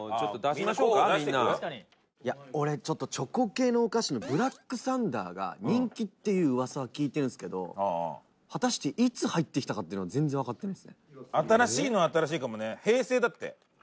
北山：いや、俺、ちょっとチョコ系のお菓子のブラックサンダーが人気っていう噂は聞いてるんですけど果たして、いつ入ってきたかっていうのは全然わかってないですね。